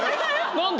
何で？